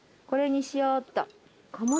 これにしようっと。